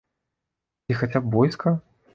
Ці хаця б войска?